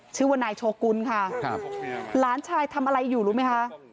ชื่อว่านายโชกุลค่ะครับหลานชายทำอะไรอยู่รู้ไหมคะ